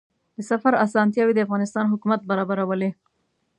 د سفر اسانتیاوې د افغانستان حکومت برابرولې.